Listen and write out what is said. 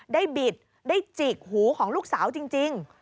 บิดได้จิกหูของลูกสาวจริง